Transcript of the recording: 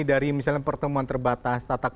dari misalnya pertemuan terbatas